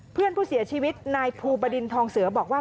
เพื่อนผู้เสียชีวิตนายภูบดินทองเสือบอกว่า